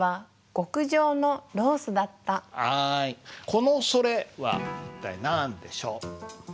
この「それ」は一体何でしょう？